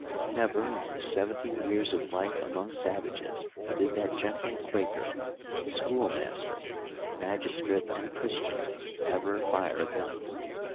Never, in his seventy years of life among savages, did that gentle Quaker, school master, magistrate and Christian ever fire a gun.